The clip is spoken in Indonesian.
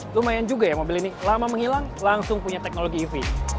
lumayan juga ya mobil ini lama menghilang langsung punya teknologi ev